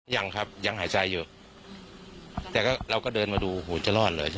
ยังครับยังหายใจอยู่แต่ก็เราก็เดินมาดูโหจะรอดเลย